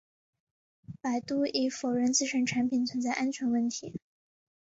百度已否认自身产品存在安全问题。